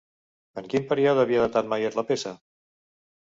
En quin període havia datat Mayer la peça?